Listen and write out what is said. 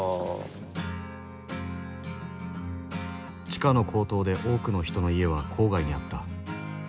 地価の高騰で多くの人の家は郊外にあった。